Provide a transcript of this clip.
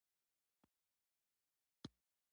د بدني روزنې په وخت کې زموږ د زړه ضربان چټک او سختېږي.